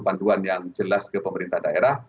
panduan yang jelas ke pemerintah daerah